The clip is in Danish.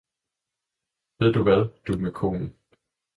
Ved du hvad, du med koen!